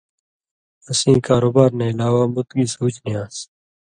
اسیں کاروبار نہ علاوہ مُت گی سُوچ نی آن٘س